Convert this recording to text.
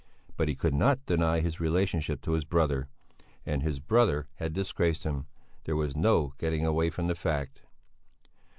But he could not deny his relationship to his brother. And his brother had disgraced him. There was no getting away from the fact.